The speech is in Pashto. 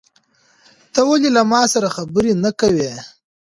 ته ولې له ما سره خبرې نه کوې؟